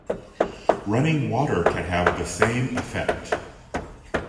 Running water can have the same effect.